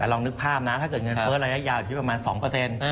แต่ลองนึกภาพนะถ้าเกิดเงินเฟ้อระยะยาวอยู่ประมาณ๒